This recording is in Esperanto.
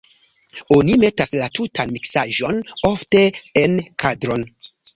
Oni metas la tutan miksaĵon ofte en kadron.